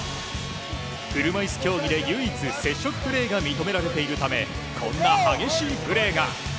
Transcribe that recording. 車いす競技で唯一接触プレーが認められているためこんな激しいプレーが。